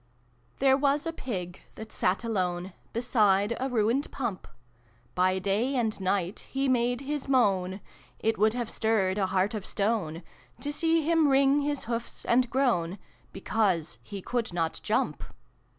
There was a Pig that sat alone Beside a ruined Pump : By day and night he made his moan It would have stirred a heart of stone To see him wring his hoofs and groan, Because he could not jump.